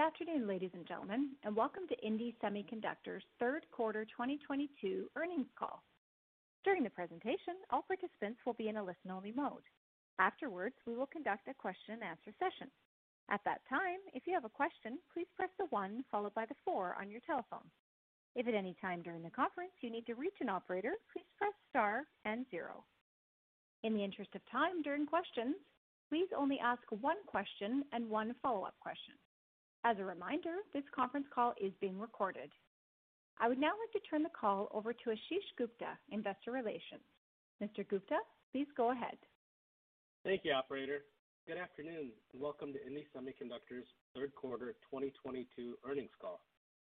Good afternoon, ladies and gentlemen, and welcome to indie Semiconductor's third quarter 2022 earnings call. During the presentation, all participants will be in a listen-only mode. Afterwards, we will conduct a question and answer session. At that time, if you have a question, please press the one followed by the four on your telephone. If at any time during the conference you need to reach an operator, please press star and zero. In the interest of time during questions, please only ask one question and one follow-up question. As a reminder, this conference call is being recorded. I would now like to turn the call over to Ashish Gupta, Investor Relations. Mr. Gupta, please go ahead. Thank you, operator. Good afternoon, and welcome to indie Semiconductor's third quarter 2022 earnings call.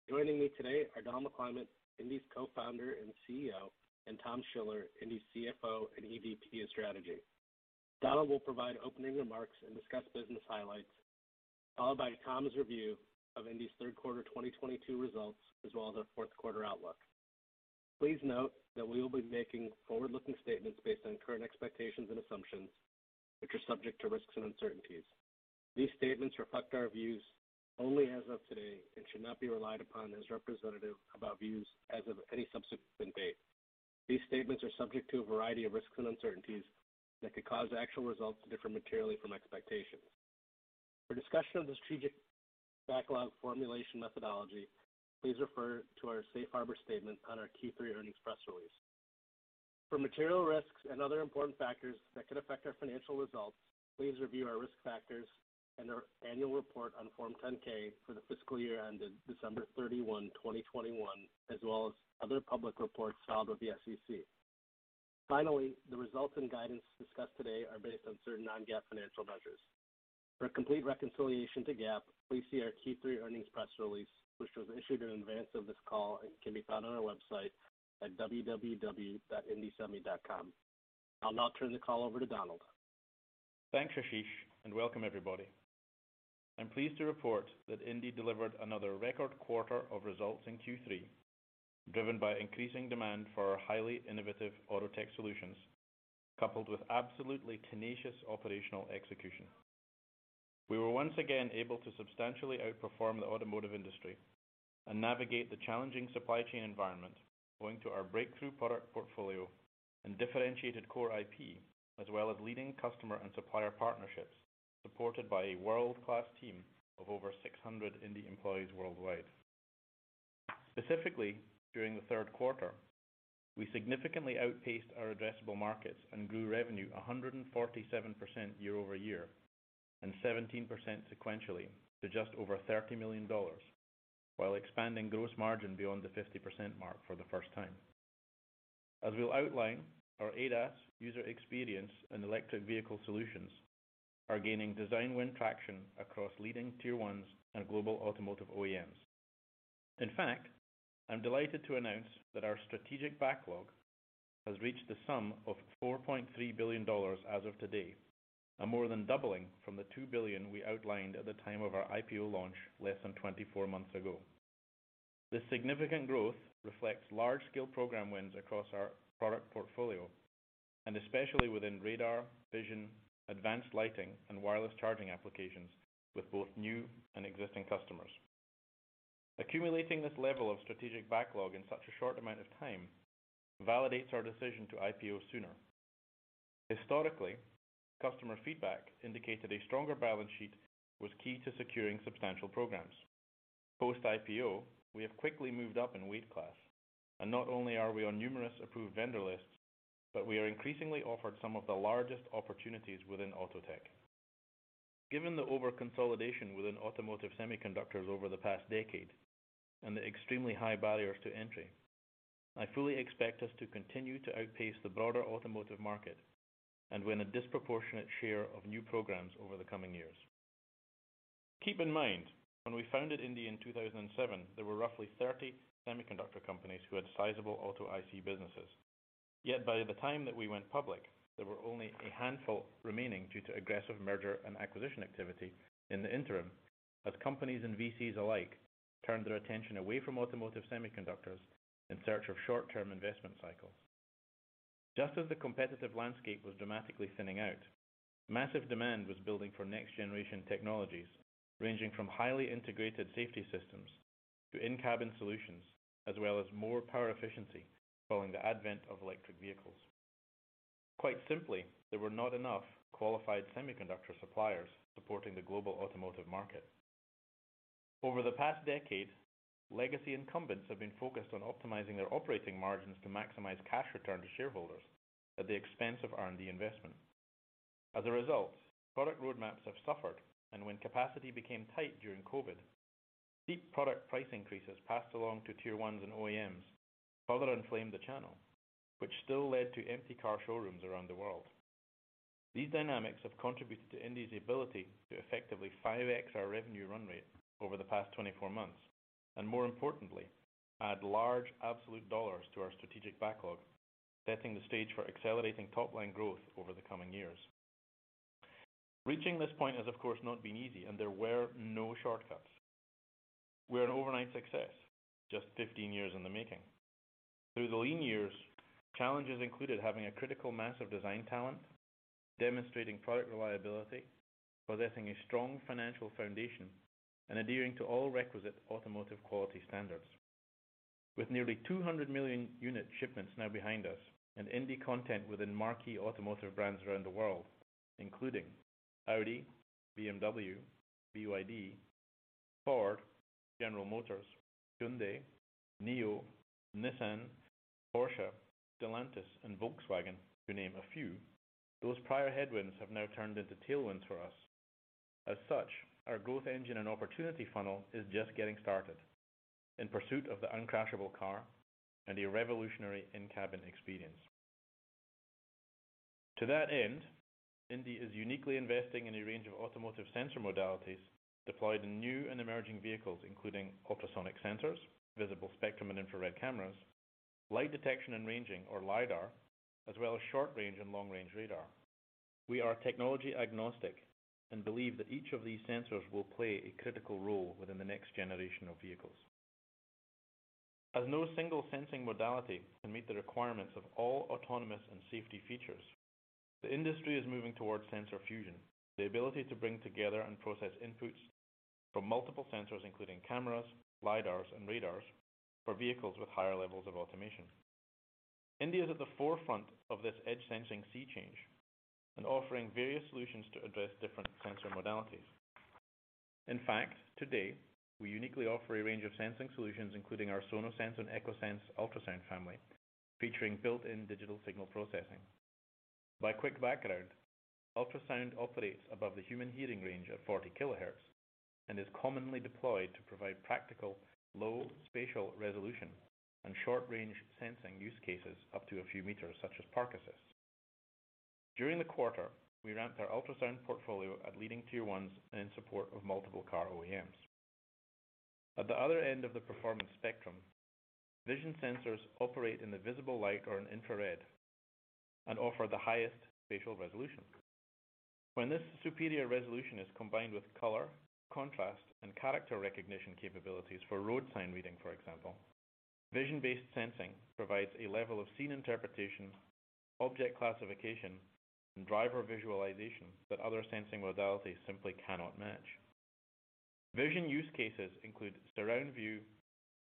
Joining me today are Donald McClymont, indie's Co-founder and CEO, and Tom Schiller, indie's CFO and EVP of Strategy. Donald will provide opening remarks and discuss business highlights, followed by Tom's review of indie's third quarter 2022 results, as well as our fourth quarter outlook. Please note that we will be making forward-looking statements based on current expectations and assumptions, which are subject to risks and uncertainties. These statements reflect our views only as of today and should not be relied upon as representative of our views as of any subsequent date. These statements are subject to a variety of risks and uncertainties that could cause actual results to differ materially from expectations. For discussion of the strategic backlog formulation methodology, please refer to our safe harbor statement on our Q3 earnings press release. For material risks and other important factors that could affect our financial results, please review our risk factors and our annual report on Form 10-K for the fiscal year ended December 31, 2021, as well as other public reports filed with the SEC. Finally, the results and guidance discussed today are based on certain non-GAAP financial measures. For a complete reconciliation to GAAP, please see our Q3 earnings press release, which was issued in advance of this call and can be found on our website at www.indiesemi.com. I'll now turn the call over to Donald. Thanks, Ashish, and welcome everybody. I'm pleased to report that Indie delivered another record quarter of results in Q3, driven by increasing demand for our highly innovative auto tech solutions, coupled with absolutely tenacious operational execution. We were once again able to substantially outperform the automotive industry and navigate the challenging supply chain environment owing to our breakthrough product portfolio and differentiated core IP, as well as leading customer and supplier partnerships, supported by a world-class team of over 600 Indie employees worldwide. Specifically, during the third quarter, we significantly outpaced our addressable markets and grew revenue 147% year-over-year and 17% sequentially to just over $30 million, while expanding gross margin beyond the 50% mark for the first time. As we'll outline, our ADAS user experience and electric vehicle solutions are gaining design win traction across leading Tier 1s and global automotive OEMs. In fact, I'm delighted to announce that our strategic backlog has reached the sum of $4.3 billion as of today, a more than doubling from the $2 billion we outlined at the time of our IPO launch less than 24 months ago. This significant growth reflects large-scale program wins across our product portfolio, and especially within radar, vision, advanced lighting, and wireless charging applications with both new and existing customers. Accumulating this level of strategic backlog in such a short amount of time validates our decision to IPO sooner. Historically, customer feedback indicated a stronger balance sheet was key to securing substantial programs. Post-IPO, we have quickly moved up in weight class, and not only are we on numerous approved vendor lists, but we are increasingly offered some of the largest opportunities within auto tech. Given the overconsolidation within automotive semiconductors over the past decade and the extremely high barriers to entry, I fully expect us to continue to outpace the broader automotive market and win a disproportionate share of new programs over the coming years. Keep in mind, when we founded indie in 2007, there were roughly 30 semiconductor companies who had sizable auto IC businesses. Yet by the time that we went public, there were only a handful remaining due to aggressive merger and acquisition activity in the interim as companies and VCs alike turned their attention away from automotive semiconductors in search of short-term investment cycles. Just as the competitive landscape was dramatically thinning out, massive demand was building for next generation technologies, ranging from highly integrated safety systems to in-cabin solutions, as well as more power efficiency following the advent of electric vehicles. Quite simply, there were not enough qualified semiconductor suppliers supporting the global automotive market. Over the past decade, legacy incumbents have been focused on optimizing their operating margins to maximize cash return to shareholders at the expense of R&D investment. As a result, product roadmaps have suffered, and when capacity became tight during COVID, steep product price increases passed along to Tier 1s and OEMs further inflamed the channel, which still led to empty car showrooms around the world. These dynamics have contributed to indie's ability to effectively 5x our revenue run rate over the past 24 months, and more importantly, add large absolute dollars to our strategic backlog, setting the stage for accelerating top-line growth over the coming years. Reaching this point has, of course, not been easy, and there were no shortcuts. We're an overnight success, just 15 years in the making. Through the lean years, challenges included having a critical mass of design talent, demonstrating product reliability, possessing a strong financial foundation, and adhering to all requisite automotive quality standards. With nearly 200 million unit shipments now behind us, and indie content within marquee automotive brands around the world, including Audi, BMW, BYD, Ford, General Motors, Hyundai, NIO, Nissan, Porsche, Stellantis, and Volkswagen, to name a few. Those prior headwinds have now turned into tailwinds for us. As such, our growth engine and opportunity funnel is just getting started in pursuit of the uncrashable car and a revolutionary in-cabin experience. To that end, indie is uniquely investing in a range of automotive sensor modalities deployed in new and emerging vehicles, including ultrasonic sensors, visible spectrum and infrared cameras, light detection and ranging, or LIDAR, as well as short-range and long-range radar. We are technology agnostic and believe that each of these sensors will play a critical role within the next generation of vehicles. As no single sensing modality can meet the requirements of all autonomous and safety features, the industry is moving towards sensor fusion, the ability to bring together and process inputs from multiple sensors, including cameras, LIDARs, and radars for vehicles with higher levels of automation. Indie is at the forefront of this edge sensing sea change and offering various solutions to address different sensor modalities. In fact, today, we uniquely offer a range of sensing solutions, including our Sonosense and Echosense ultrasound family, featuring built-in digital signal processing. By quick background, ultrasound operates above the human hearing range of 40 kHz and is commonly deployed to provide practical, low spatial resolution and short-range sensing use cases up to a few meters, such as park assist. During the quarter, we ramped our ultrasound portfolio at leading Tier 1s in support of multiple car OEMs. At the other end of the performance spectrum, vision sensors operate in the visible light or an infrared and offer the highest spatial resolution. When this superior resolution is combined with color, contrast, and character recognition capabilities for road sign reading, for example, vision-based sensing provides a level of scene interpretation, object classification, and driver visualization that other sensing modalities simply cannot match. Vision use cases include surround view,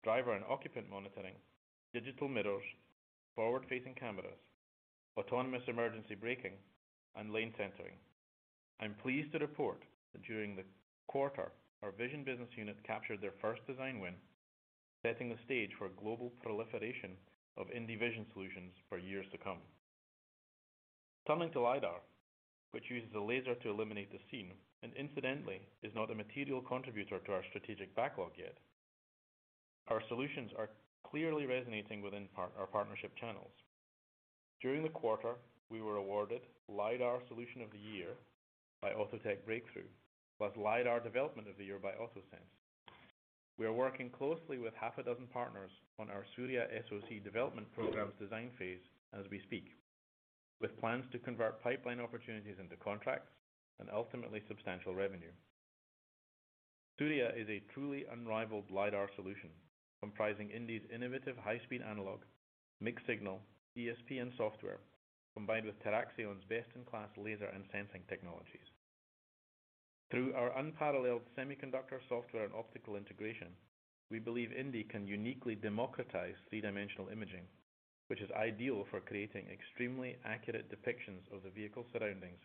driver and occupant monitoring, digital mirrors, forward-facing cameras, autonomous emergency braking, and lane centering. I'm pleased to report that during the quarter, our Vision business unit captured their first design win, setting the stage for a global proliferation of indie Vision solutions for years to come. Turning to LIDAR, which uses a laser to illuminate the scene, and incidentally, is not a material contributor to our strategic backlog yet. Our solutions are clearly resonating within our partnership channels. During the quarter, we were awarded LIDAR Solution of the Year by AutoTech Breakthrough, plus LIDAR Development of the Year by AutoSens. We are working closely with half a dozen partners on our Surya SoC development program's design phase as we speak, with plans to convert pipeline opportunities into contracts and ultimately substantial revenue. Surya is a truly unrivaled LIDAR solution comprising indie’s innovative high-speed analog, mixed-signal, DSP, and software, combined with TeraXion's best-in-class laser and sensing technologies. Through our unparalleled semiconductor software and optical integration, we believe indie can uniquely democratize three-dimensional imaging, which is ideal for creating extremely accurate depictions of the vehicle's surroundings,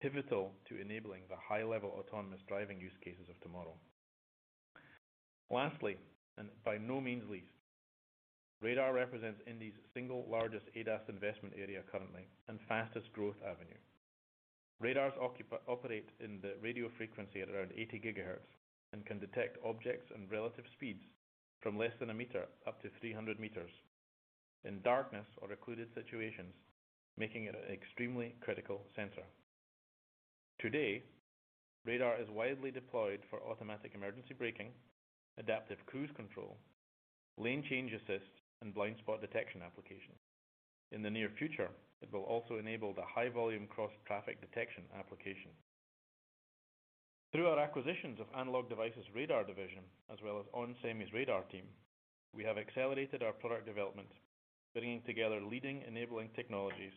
pivotal to enabling the high-level autonomous driving use cases of tomorrow. Lastly, and by no means least, radar represents indie’s single largest ADAS investment area currently and fastest growth avenue. Radars operate in the radio frequency at around 80 GHz and can detect objects and relative speeds from less than a meter up to 300 m in darkness or occluded situations, making it an extremely critical sensor. Today, radar is widely deployed for automatic emergency braking, adaptive cruise control, lane change assist, and blind spot detection applications. In the near future, it will also enable the high volume cross-traffic detection application. Through our acquisitions of Analog Devices Radar Division, as well as onsemi's radar team, we have accelerated our product development, bringing together leading enabling technologies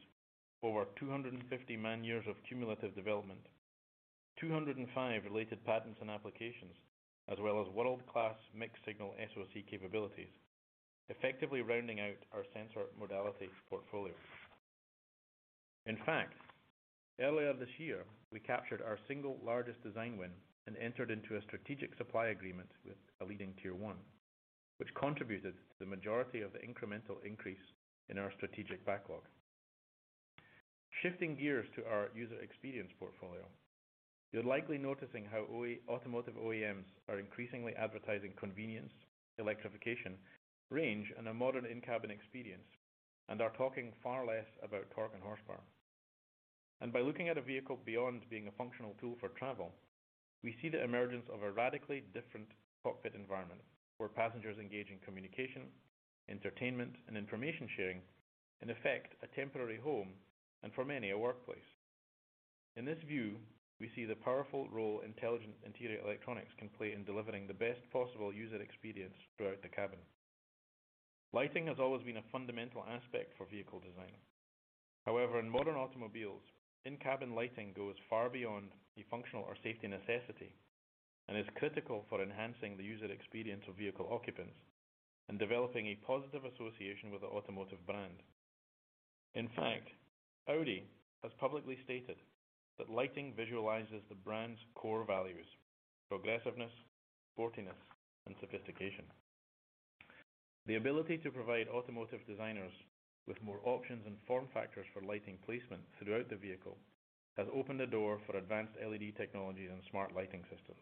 for over 250 man-years of cumulative development, 205 related patents and applications, as well as world-class mixed-signal SoC capabilities, effectively rounding out our sensor modality portfolio. In fact, earlier this year, we captured our single largest design win and entered into a strategic supply agreement with a leading Tier 1, which contributed to the majority of the incremental increase in our strategic backlog. Shifting gears to our user experience portfolio, you're likely noticing how automotive OEMs are increasingly advertising convenience, electrification, range, and a modern in-cabin experience, and are talking far less about torque and horsepower. By looking at a vehicle beyond being a functional tool for travel, we see the emergence of a radically different cockpit environment where passengers engage in communication, entertainment, and information sharing, in effect, a temporary home, and for many, a workplace. In this view, we see the powerful role intelligent interior electronics can play in delivering the best possible user experience throughout the cabin. Lighting has always been a fundamental aspect for vehicle design. However, in modern automobiles, in-cabin lighting goes far beyond a functional or safety necessity and is critical for enhancing the user experience of vehicle occupants and developing a positive association with the automotive brand. In fact, Audi has publicly stated that lighting visualizes the brand's core values, progressiveness, sportiness, and sophistication. The ability to provide automotive designers with more options and form factors for lighting placement throughout the vehicle has opened the door for advanced LED technologies and smart lighting systems.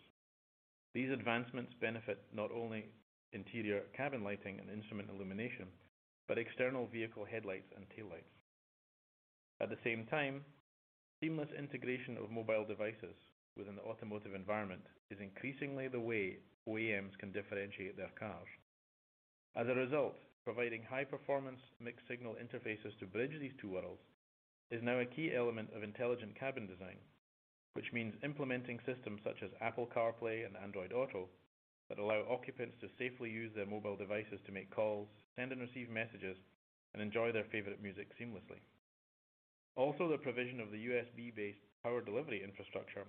These advancements benefit not only interior cabin lighting and instrument illumination, but external vehicle headlights and taillights. At the same time, seamless integration of mobile devices within the automotive environment is increasingly the way OEMs can differentiate their cars. As a result, providing high-performance mixed signal interfaces to bridge these two worlds is now a key element of intelligent cabin design, which means implementing systems such as Apple CarPlay and Android Auto that allow occupants to safely use their mobile devices to make calls, send and receive messages, and enjoy their favorite music seamlessly. Also, the provision of the USB-based power delivery infrastructure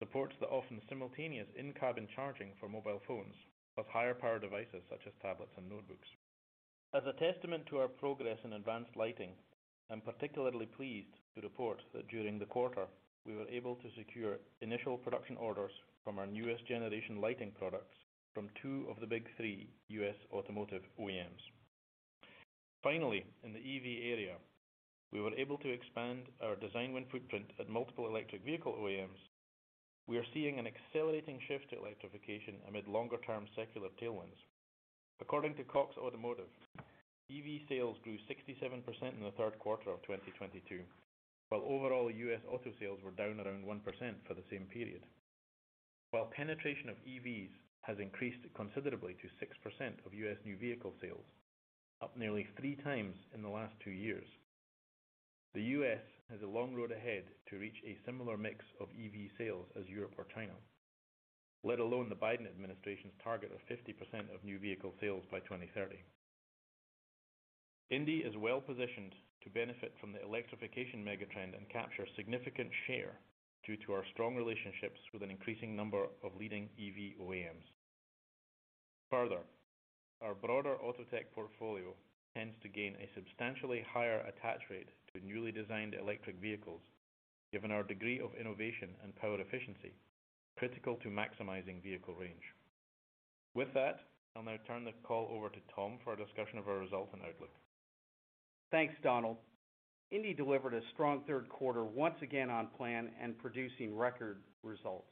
supports the often simultaneous in-cabin charging for mobile phones, plus higher power devices such as tablets and notebooks. As a testament to our progress in advanced lighting, I'm particularly pleased to report that during the quarter, we were able to secure initial production orders from our newest generation lighting products from two of the big three U.S. automotive OEMs. Finally, in the EV area, we were able to expand our design win footprint at multiple electric vehicle OEMs. We are seeing an accelerating shift to electrification amid longer-term secular tailwinds. According to Cox Automotive, EV sales grew 67% in the third quarter of 2022, while overall U.S. auto sales were down around 1% for the same period. While penetration of EVs has increased considerably to 6% of U.S. new vehicle sales, up nearly 3x in the last two years, the U.S. has a long road ahead to reach a similar mix of EV sales as Europe or China, let alone the Biden administration's target of 50% of new vehicle sales by 2030. Indie is well-positioned to benefit from the electrification mega trend and capture significant share due to our strong relationships with an increasing number of leading EV OEMs. Further, our broader Autotech portfolio tends to gain a substantially higher attach rate to newly designed electric vehicles, given our degree of innovation and power efficiency critical to maximizing vehicle range. With that, I'll now turn the call over to Tom for a discussion of our results and outlook. Thanks, Donald. Indie delivered a strong third quarter, once again on plan and producing record results.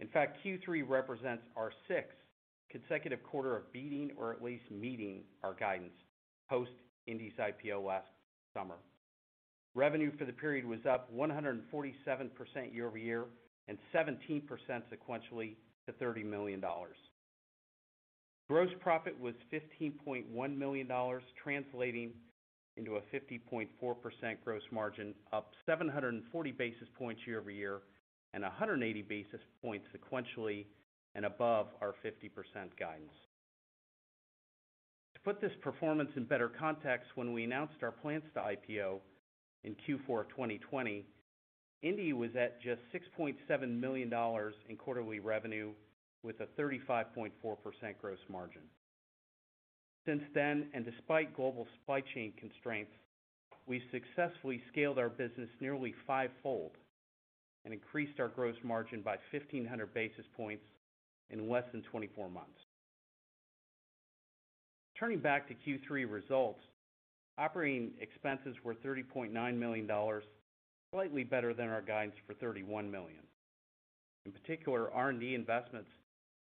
In fact, Q3 represents our sixth consecutive quarter of beating or at least meeting our guidance post Indie's IPO last summer. Revenue for the period was up 147% year-over-year and 17% sequentially to $30 million. Gross profit was $15.1 million, translating into a 50.4% gross margin, up 740 basis points year-over-year and 180 basis points sequentially and above our 50% guidance. To put this performance in better context, when we announced our plans to IPO in Q4 of 2020, Indie was at just $6.7 million in quarterly revenue with a 35.4% gross margin. Since then, and despite global supply chain constraints, we've successfully scaled our business nearly five-fold and increased our gross margin by 1,500 basis points in less than 24 months. Turning back to Q3 results, operating expenses were $30.9 million, slightly better than our guidance for $31 million. In particular, R&D investments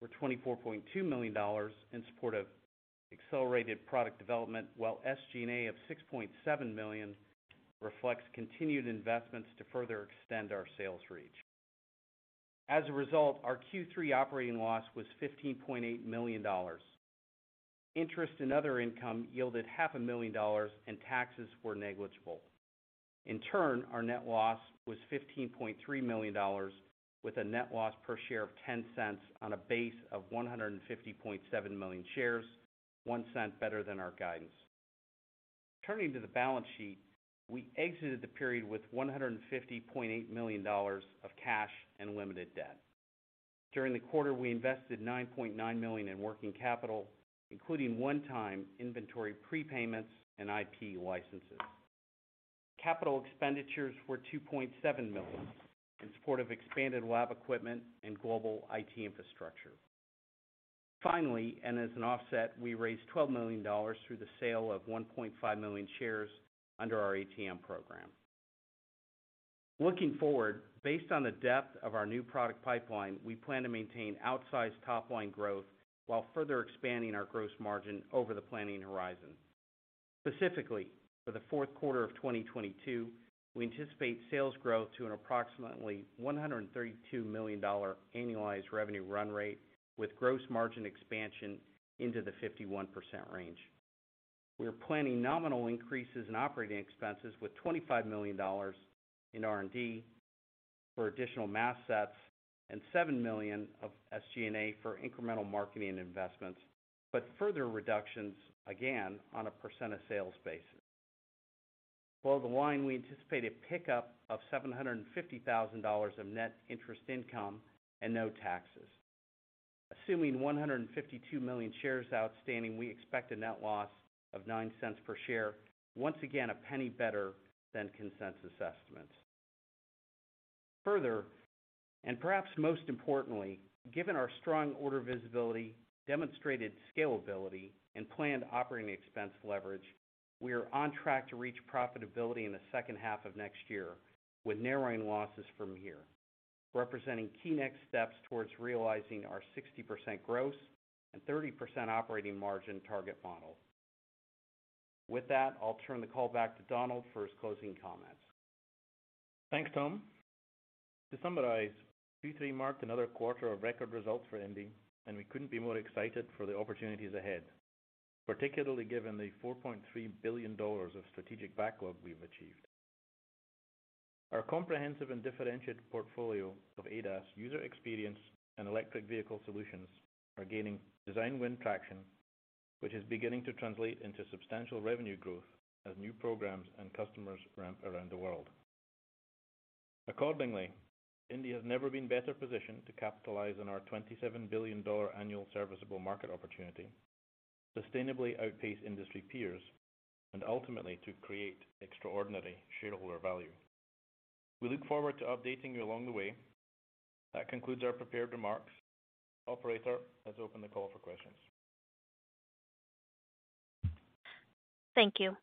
were $24.2 million in support of accelerated product development, while SG&A of $6.7 million reflects continued investments to further extend our sales reach. As a result, our Q3 operating loss was $15.8 million. Interest in other income yielded half a million dollars and taxes were negligible. In turn, our net loss was $15.3 million, with a net loss per share of $0.10 on a base of 150.7 million shares, one cent better than our guidance. Turning to the balance sheet, we exited the period with $150.8 million of cash and limited debt. During the quarter, we invested $9.9 million in working capital, including one-time inventory prepayments and IP licenses. Capital expenditures were $2.7 million in support of expanded lab equipment and global IT infrastructure. Finally, and as an offset, we raised $12 million through the sale of 1.5 million shares under our ATM program. Looking forward, based on the depth of our new product pipeline, we plan to maintain outsized top line growth while further expanding our gross margin over the planning horizon. Specifically, for the fourth quarter of 2022, we anticipate sales growth to an approximately $132 million annualized revenue run rate with gross margin expansion into the 51% range. We are planning nominal increases in operating expenses with $25 million in R&D for additional mass sets and $7 million of SG&A for incremental marketing investments, but further reductions again on a percent of sales basis. Below the line, we anticipate a pickup of $750,000 of net interest income and no taxes. Assuming 152 million shares outstanding, we expect a net loss of $0.09 per share. Once again, $0.01 better than consensus estimates. Further, and perhaps most importantly, given our strong order visibility, demonstrated scalability and planned operating expense leverage, we are on track to reach profitability in the second half of next year with narrowing losses from here, representing key next steps towards realizing our 60% gross and 30% operating margin target model. With that, I'll turn the call back to Donald for his closing comments. Thanks, Tom. To summarize, Q3 marked another quarter of record results for Indie, and we couldn't be more excited for the opportunities ahead, particularly given the $4.3 billion of strategic backlog we've achieved. Our comprehensive and differentiated portfolio of ADAS user experience and electric vehicle solutions are gaining design win traction, which is beginning to translate into substantial revenue growth as new programs and customers ramp around the world. Accordingly, Indie has never been better positioned to capitalize on our $27 billion annual serviceable market opportunity, sustainably outpace industry peers, and ultimately to create extraordinary shareholder value. We look forward to updating you along the way. That concludes our prepared remarks. Operator, let's open the call for questions. Thank you.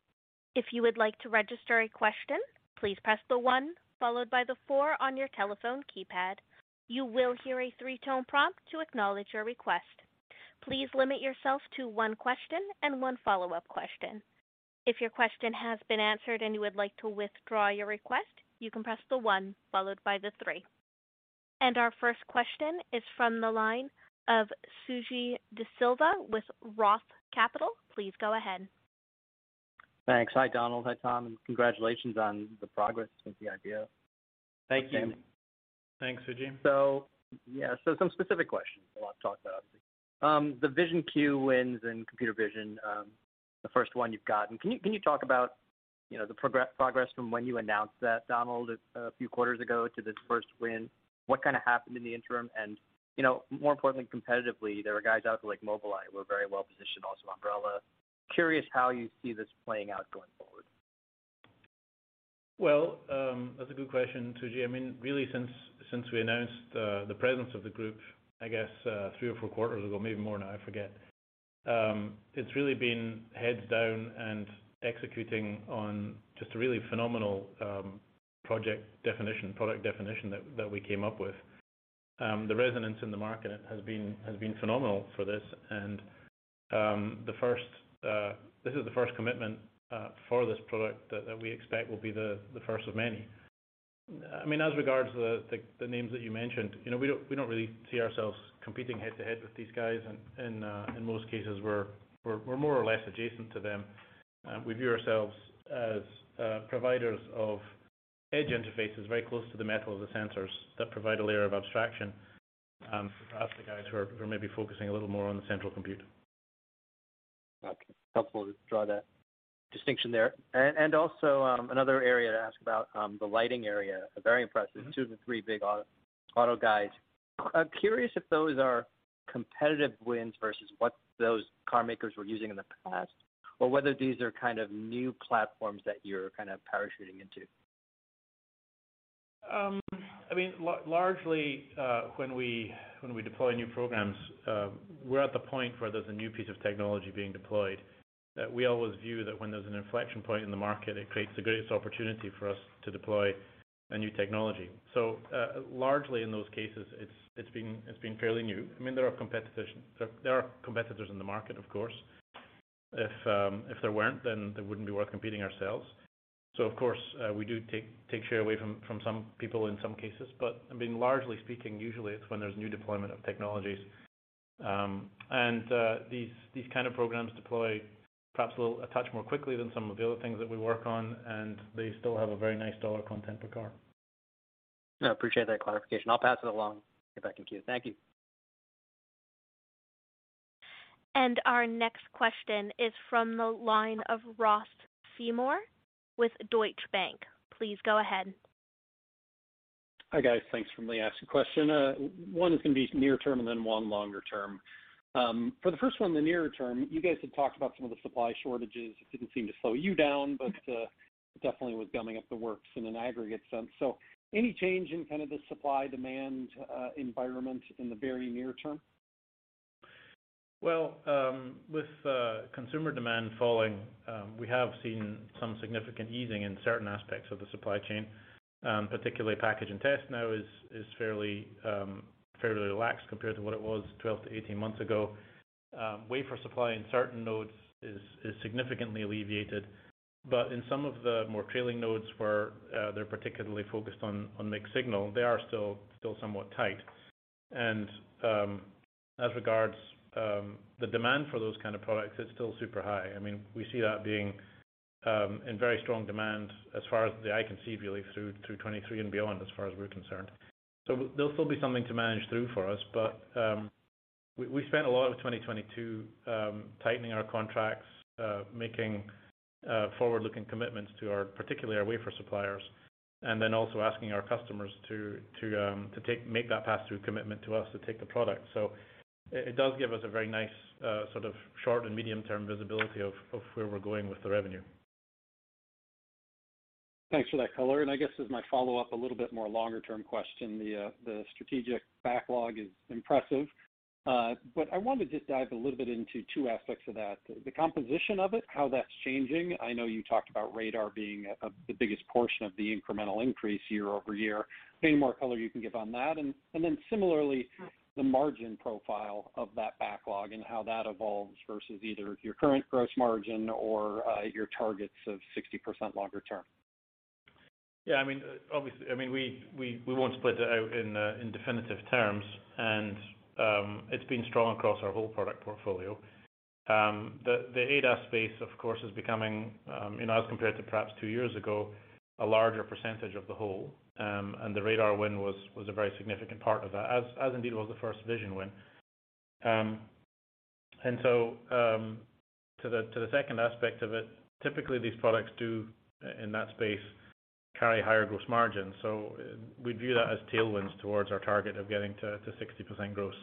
If you would like to register a question, please press one followed by four on your telephone keypad. You will hear a three-tone prompt to acknowledge your request. Please limit yourself to one question and one follow-up question. If your question has been answered and you would like to withdraw your request, you can press one followed by three. Our first question is from the line of Suji Desilva with Roth Capital. Please go ahead. Thanks. Hi, Donald. Hi, Tom, and congratulations on the progress with the IPO. Thank you. Thanks, Suji. Some specific questions I want to talk about. The VisionQ wins in computer vision, the first one you've gotten. Can you talk about, you know, the progress from when you announced that, Donald, a few quarters ago to this first win? What kind of happened in the interim? You know, more importantly, competitively, there were guys out there like Mobileye who are very well positioned, also Ambarella. Curious how you see this playing out going forward. Well, that's a good question, Suji. I mean, really, since we announced the presence of the group, I guess, three or four quarters ago, maybe more now, I forget. It's really been heads down and executing on just a really phenomenal project definition, product definition that we came up with. The resonance in the market has been phenomenal for this. This is the first commitment for this product that we expect will be the first of many. I mean, as regards the names that you mentioned, you know, we don't really see ourselves competing head to head with these guys. In most cases, we're more or less adjacent to them. We view ourselves as providers of edge interfaces very close to the metal of the sensors that provide a layer of abstraction for perhaps the guys who are maybe focusing a little more on the central compute. Okay. Helpful to draw that distinction there. Also, another area to ask about, the lighting area, very impressive. Mm-hmm. Two of the three big auto guys. I'm curious if those are competitive wins versus what those car makers were using in the past or whether these are kind of new platforms that you're kind of parachuting into. I mean, largely, when we deploy new programs, we're at the point where there's a new piece of technology being deployed that we always view that when there's an inflection point in the market, it creates the greatest opportunity for us to deploy a new technology. Largely in those cases, it's been fairly new. I mean, there are competitors in the market, of course. If there weren't, then they wouldn't be worth competing ourselves. Of course, we do take share away from some people in some cases, but I mean, largely speaking, usually it's when there's new deployment of technologies, and these kind of programs deploy perhaps a little, a touch more quickly than some of the other things that we work on, and they still have a very nice dollar content per car. No, I appreciate that clarification. I'll pass it along if I can. Thank you. Our next question is from the line of Ross Seymore with Deutsche Bank. Please go ahead. Hi, guys. Thanks. Let me ask a question. One is gonna be near term and then one longer term. For the first one, the near term, you guys had talked about some of the supply shortages. It didn't seem to slow you down, but, it definitely was gumming up the works in an aggregate sense. Any change in kind of the supply-demand environment in the very near term? Well, with consumer demand falling, we have seen some significant easing in certain aspects of the supply chain, particularly package and test now is fairly relaxed compared to what it was 12 months-18 months ago. Wafer supply in certain nodes is significantly alleviated. In some of the more trailing nodes where they're particularly focused on mixed signal, they are still somewhat tight. As regards the demand for those kind of products, it's still super high. I mean, we see that being in very strong demand as far as the eye can see, really through 2023 and beyond, as far as we're concerned. There'll still be something to manage through for us, but we spent a lot of 2022 tightening our contracts, making forward-looking commitments to our, particularly our wafer suppliers, and then also asking our customers to make that pass-through commitment to us to take the product. It does give us a very nice sort of short and medium-term visibility of where we're going with the revenue. Thanks for that color. I guess as my follow-up, a little bit more longer-term question, the strategic backlog is impressive. I wanted to just dive a little bit into two aspects of that. The composition of it, how that's changing. I know you talked about radar being the biggest portion of the incremental increase year-over-year. Any more color you can give on that? Then similarly, the margin profile of that backlog and how that evolves versus either your current gross margin or your targets of 60% longer term. I mean, obviously, we won't split it out in definitive terms and it's been strong across our whole product portfolio. The ADAS space, of course, is becoming, you know, as compared to perhaps two years ago, a larger percentage of the whole. The radar win was a very significant part of that, as indeed was the first Vision win. To the second aspect of it, typically these products do in that space carry higher gross margin. We view that as tailwinds towards our target of getting to 60% gross.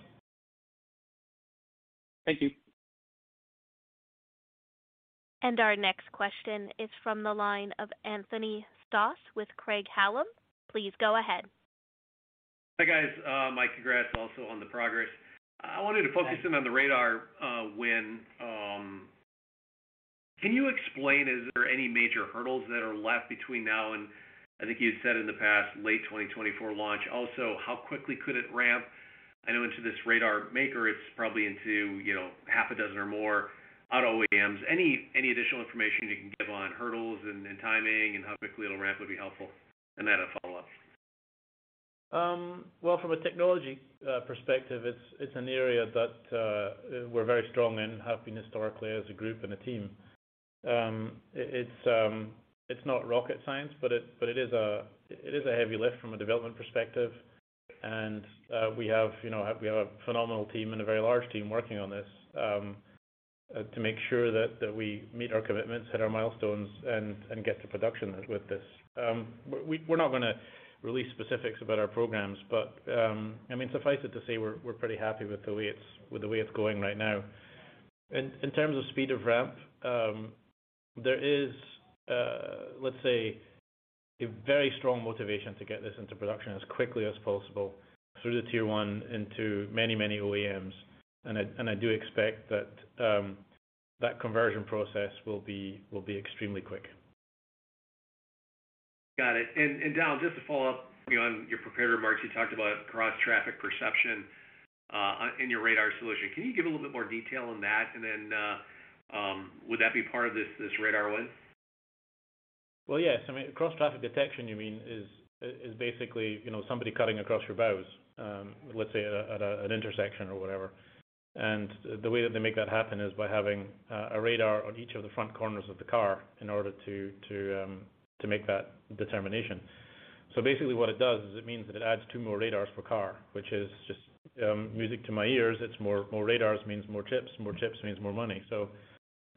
Thank you. Our next question is from the line of Anthony Stoss with Craig-Hallum. Please go ahead. Hi, guys. My congrats also on the progress. Thanks. I wanted to focus in on the radar win. Can you explain, is there any major hurdles that are left between now and, I think you said in the past, late 2024 launch? Also, how quickly could it ramp? I know into this radar maker, it's probably into, you know, half a dozen or more auto OEMs. Any additional information you can give on hurdles and timing and how quickly it'll ramp would be helpful. A follow up. Well, from a technology perspective, it's an area that we're very strong in and have been historically as a group and a team. It's not rocket science, but it is a heavy lift from a development perspective. We have, you know, a phenomenal team and a very large team working on this to make sure that we meet our commitments, hit our milestones, and get to production with this. We're not gonna release specifics about our programs, but I mean, suffice it to say we're pretty happy with the way it's going right now. In terms of speed of ramp, there is, let's say, a very strong motivation to get this into production as quickly as possible through the Tier 1 into many, many OEMs. I do expect that conversion process will be extremely quick. Got it. Don, just to follow up on your prepared remarks, you talked about cross-traffic perception in your radar solution. Can you give a little bit more detail on that? Would that be part of this radar win? Well, yes. I mean, cross-traffic detection, you mean, is basically, you know, somebody cutting across your bows, let's say at an intersection or whatever. The way that they make that happen is by having a radar on each of the front corners of the car in order to make that determination. Basically what it does is it means that it adds two more radars per car, which is just music to my ears. It's more radars means more chips, more chips means more money. That's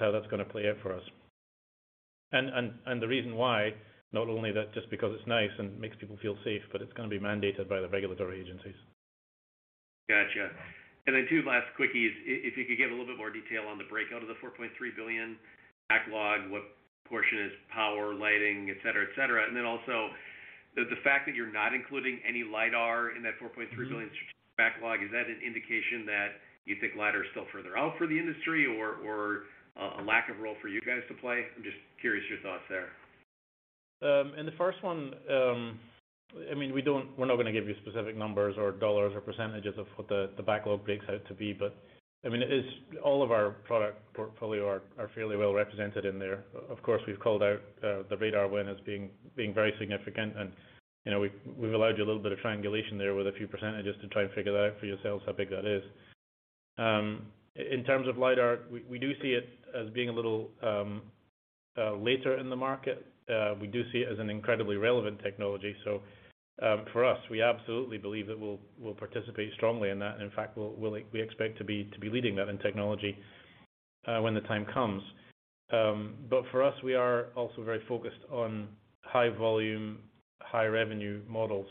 how that's gonna play out for us. The reason why, not only that, just because it's nice and makes people feel safe, but it's gonna be mandated by the regulatory agencies. Gotcha. Two last quickies. If you could give a little bit more detail on the breakout of the $4.3 billion backlog, what portion is power lighting, et cetera, et cetera. Also, the fact that you're not including any LIDAR in that $4.3 billion backlog, is that an indication that you think LIDAR is still further out for the industry or a lack of role for you guys to play? I'm just curious your thoughts there. The first one, I mean, we're not gonna give you specific numbers or dollars or percentages of what the backlog breaks out to be. I mean, it is all of our product portfolio are fairly well represented in there. Of course, we've called out the radar win as being very significant. You know, we've allowed you a little bit of triangulation there with a few percentages to try and figure that out for yourselves, how big that is. In terms of LIDAR, we do see it as being a little later in the market. We do see it as an incredibly relevant technology. For us, we absolutely believe that we'll participate strongly in that. In fact, we expect to be leading that in technology when the time comes. For us, we are also very focused on high volume, high revenue models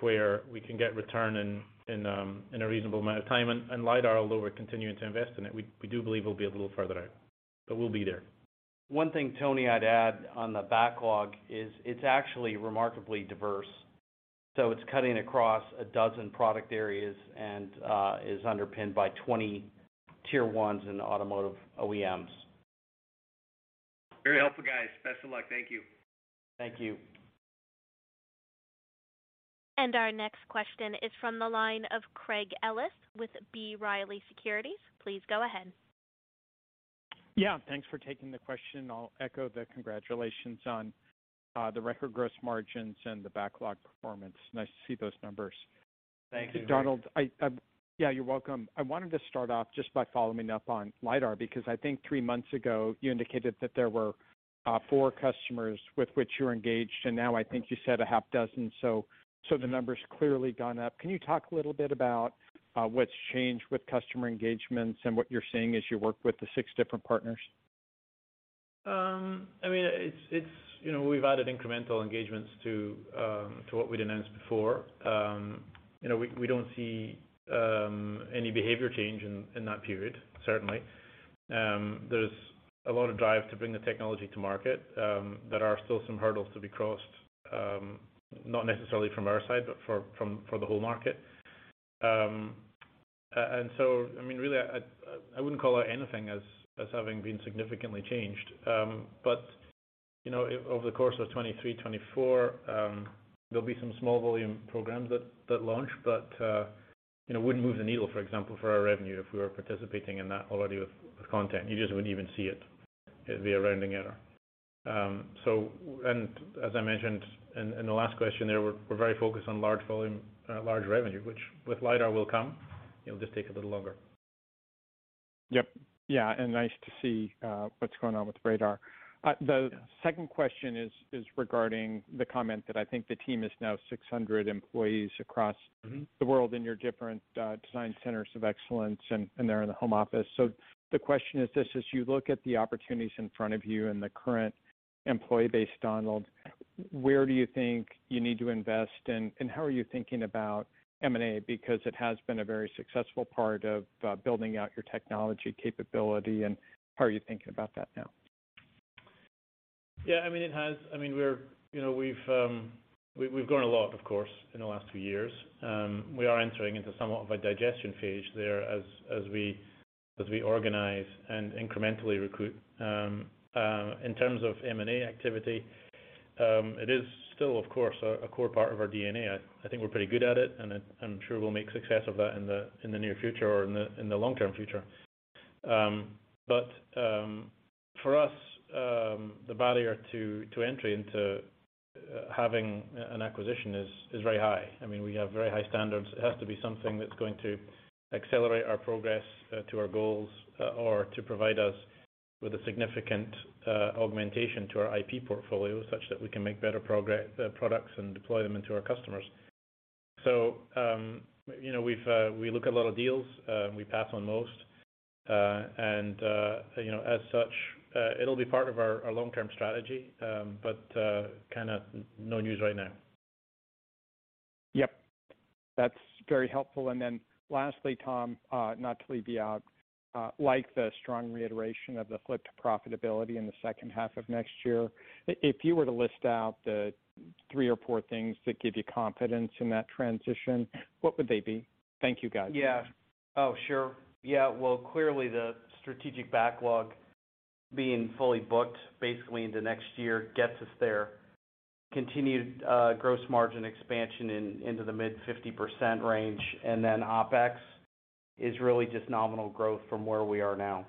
where we can get return in a reasonable amount of time. LIDAR, although we're continuing to invest in it, we do believe will be a little further out. We'll be there. One thing, Tony, I'd add on the backlog is it's actually remarkably diverse. It's cutting across 12 product areas and is underpinned by 20 Tier 1s and automotive OEMs. Very helpful, guys. Best of luck. Thank you. Thank you. Our next question is from the line of Craig Ellis with B. Riley Securities. Please go ahead. Yeah, thanks for taking the question. I'll echo the congratulations on the record gross margins and the backlog performance. Nice to see those numbers. Thank you. Donald McClymont, yeah, you're welcome. I wanted to start off just by following up on LIDAR, because I think three months ago you indicated that there were four customers with which you were engaged, and now I think you said six. The number's clearly gone up. Can you talk a little bit about what's changed with customer engagements and what you're seeing as you work with the six different partners? I mean, it's you know, we've added incremental engagements to what we'd announced before. You know, we don't see any behavior change in that period, certainly. There's a lot of drive to bring the technology to market. There are still some hurdles to be crossed, not necessarily from our side, but from the whole market. I mean, really, I wouldn't call out anything as having been significantly changed. You know, over the course of 2023, 2024, there'll be some small volume programs that launch, but you know, wouldn't move the needle, for example, for our revenue if we were participating in that already with content. You just wouldn't even see it. It'd be a rounding error. As I mentioned in the last question there, we're very focused on large volume, large revenue, which with LIDAR will come. It'll just take a little longer. Yep. Yeah, nice to see what's going on with radar. The second question is regarding the comment that I think the team is now 600 employees across- Mm-hmm. the world in your different design centers of excellence and there in the home office. The question is this: as you look at the opportunities in front of you and the current employee base, Donald, where do you think you need to invest, and how are you thinking about M&A? Because it has been a very successful part of building out your technology capability, and how are you thinking about that now? Yeah, I mean, it has. I mean, we're, you know, we've grown a lot, of course, in the last few years. We are entering into somewhat of a digestion phase there as we organize and incrementally recruit. In terms of M&A activity, it is still, of course, a core part of our DNA. I think we're pretty good at it, and I'm sure we'll make success of that in the near future or in the long-term future. For us, the barrier to entry into having an acquisition is very high. I mean, we have very high standards. It has to be something that's going to accelerate our progress to our goals or to provide us with a significant augmentation to our IP portfolio, such that we can make better products and deploy them into our customers. You know, we look at a lot of deals. We pass on most. You know, as such, it'll be part of our long-term strategy, but kinda no news right now. Yep. That's very helpful. Lastly, Tom, not to leave you out, like the strong reiteration of the flip to profitability in the second half of next year. If you were to list out the three or four things that give you confidence in that transition, what would they be? Thank you, guys. Yeah. Oh, sure. Yeah. Well, clearly the strategic backlog being fully booked basically into next year gets us there. Continued gross margin expansion into the mid-50% range, and then OpEx is really just nominal growth from where we are now.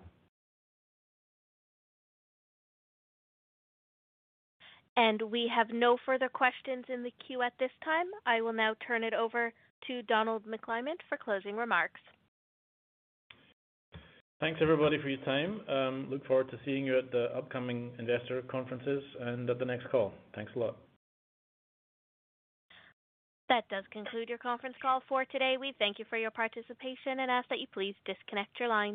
We have no further questions in the queue at this time. I will now turn it over to Donald McClymont for closing remarks. Thanks everybody for your time. Look forward to seeing you at the upcoming investor conferences and at the next call. Thanks a lot. That does conclude your conference call for today. We thank you for your participation and ask that you please disconnect your lines.